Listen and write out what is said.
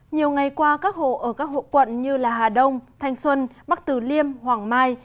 nhiều ngày qua các hộ ở các hộ quận như hà đông thanh xuân bắc tử liêm hoàng mai